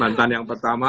mantan yang pertama